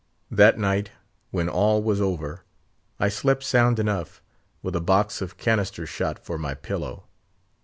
That night, when all was over, I slept sound enough, with a box of cannister shot for my pillow!